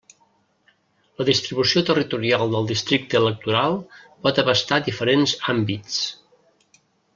La distribució territorial del districte electoral pot abastar diferents àmbits.